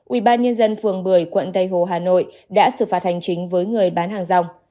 ubnd phường bưởi quận tây hồ hà nội đã xử phạt hành chính với người bán hàng rong